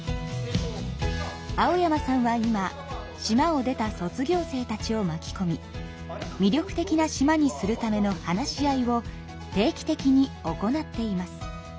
青山さんは今島を出た卒業生たちをまきこみ魅力的な島にするための話し合いを定期的に行っています。